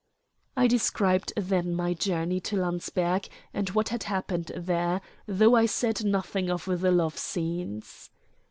I described then my journey to Landsberg and what had happened there, though I said nothing of the love scenes.